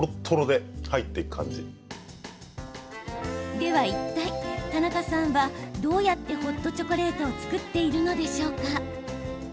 では、いったい田中さんはどうやってホットチョコレートを作っているのでしょうか？